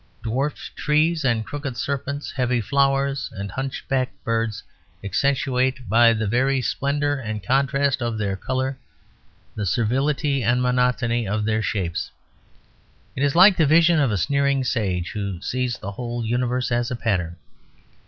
Dwarfed trees and crooked serpents, heavy flowers and hunchbacked birds accentuate by the very splendour and contrast of their colour the servility and monotony of their shapes. It is like the vision of a sneering sage, who sees the whole universe as a pattern.